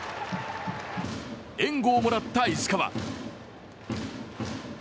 援護をもらった石川。